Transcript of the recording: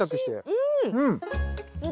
うん。